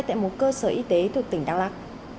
tại một cơ sở y tế thuộc tỉnh đắk lắc